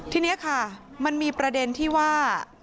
ทีนี้ค่ะมันมีประเด็นที่ว่า